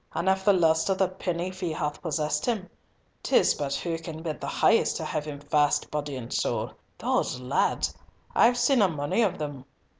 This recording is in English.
And if the lust of the penny fee hath possessed him, 'tis but who can bid the highest, to have him fast body and soul. Those lads! those lads! I've seen a mony of them.